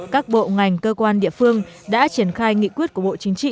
các bộ ngành cơ quan địa phương đã triển khai nghị quyết của bộ chính trị